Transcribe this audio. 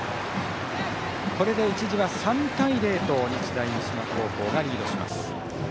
これで一時は３対０と日大三島高校がリードします。